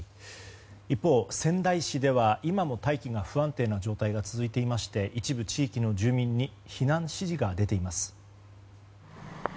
一方、仙台市では今も大気が不安定な状態が続いていまして一部地域の住民に避難指示が出ています。